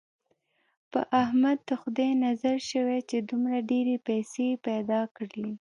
په احمد د خدای نظر شوی، چې دومره ډېرې پیسې یې پیدا کړلې.